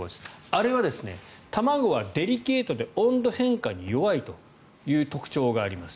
あれは、卵はデリケートで温度変化に弱いという特徴があります。